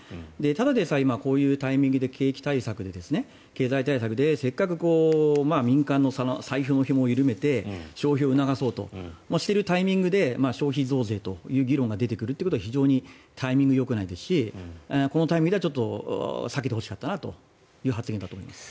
ただでさえ今こういうタイミングで景気対策で、経済対策で民間で財布のひもを緩めて消費を促そうとしているタイミングで消費増税という議論が出てくるということは非常にタイミングがよくないですしこのタイミングは避けてほしかったなという発言だと思います。